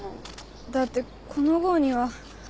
だってこの号には。